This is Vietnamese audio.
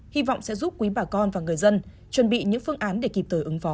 hy vọng sẽ giúp quý bà con và người dân chuẩn bị những phương án để kịp thời ứng phó